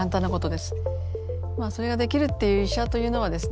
それができるっていう医者というのはですね